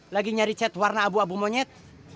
lagi nyari chat warna abu abu monyet